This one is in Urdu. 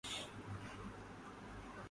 ایسپرانٹو